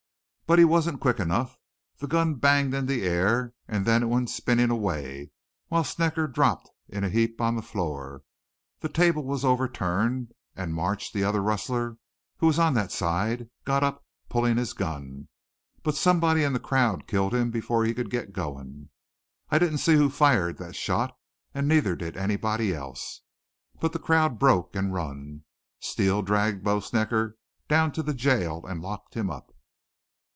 "But he wasn't quick enough. The gun banged in the air an' then it went spinnin' away, while Snecker dropped in a heap on the floor. The table was overturned, an' March, the other rustler, who was on that side, got up, pullin' his gun. But somebody in the crowd killed him before he could get goin'. I didn't see who fired that shot, an' neither did anybody else. But the crowd broke an' run. Steele dragged Bo Snecker down to jail an' locked him up."